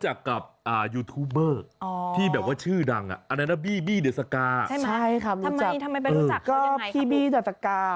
ใช่ครับทำไมไปรู้จักคือพี่บี้ดัตกาค่ะ